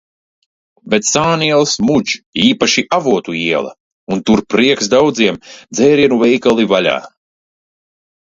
Bet sānielas mudž, īpaši Avotu iela, un tur prieks daudziem - dzērienu veikali vaļā.